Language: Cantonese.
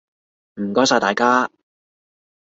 唔該晒大家！